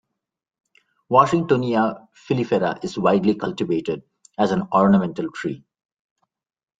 "Washingtonia filifera" is widely cultivated as an ornamental tree.